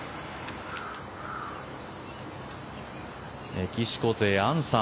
メキシコ勢、アンサー。